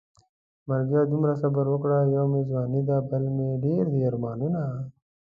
مرګيه دومره صبر وکړه يو مې ځواني ده بل مې ډېر دي ارمانونه